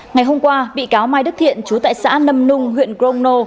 ngày hôm qua bị cáo mai đức thiện chú tại xã nâm nung huyện gromno